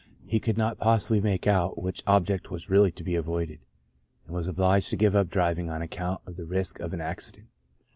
He could not possibly make out which object was really to be avoided, and was obliged to give up driving on account of the risk of an accident.